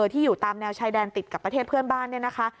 ที่อยู่ตามแนวชายแดนติดกับประเทศเพื่อนบ้านเนี่ยนะคะ